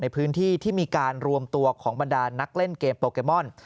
ในพื้นที่ที่มีการรวมตัวของบรรดานักเล่นเกมโปเกมอน